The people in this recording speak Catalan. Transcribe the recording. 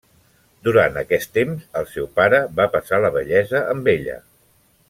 Durant aquest temps el seu pare va passar la vellesa amb ella.